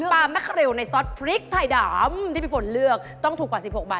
ป้าแม่กระเรวในซอสพริกไทยดำที่พี่ฝนเลือก